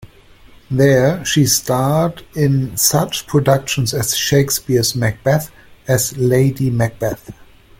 There, she starred in such productions as Shakespeare's "Macbeth" as Lady Macbeth.